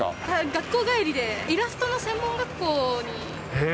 学校帰りで、イラストの専門学校に。